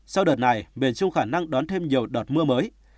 sau đợt này miền trung khả năng đón thêm nhiều đợt mưa mới